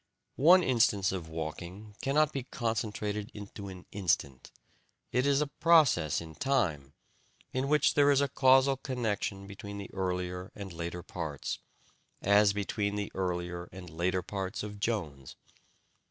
One instance of walking cannot be concentrated into an instant: it is a process in time, in which there is a causal connection between the earlier and later parts, as between the earlier and later parts of Jones.